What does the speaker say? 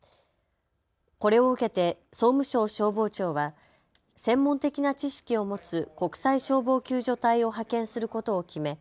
これを受けて総務省消防庁は専門的な知識を持つ国際消防救助隊を派遣することを決め